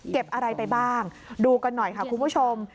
อะไรไปบ้างดูกันหน่อยค่ะคุณผู้ชม